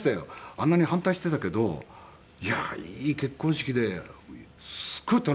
「あんなに反対していたけどいやいい結婚式ですごい楽しかったよ。